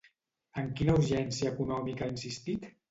En quina urgència econòmica ha insistit?